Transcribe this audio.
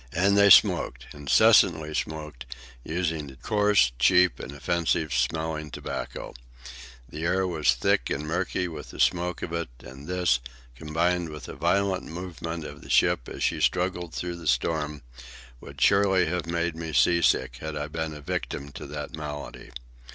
And they smoked, incessantly smoked, using a coarse, cheap, and offensive smelling tobacco. The air was thick and murky with the smoke of it; and this, combined with the violent movement of the ship as she struggled through the storm, would surely have made me sea sick had I been a victim to that malady.